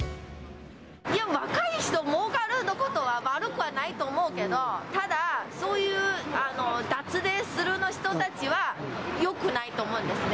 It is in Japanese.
若い人、もうかるのことは悪くはないと思うけど、ただ、そういう脱税するの人たちは、よくないと思うんですね。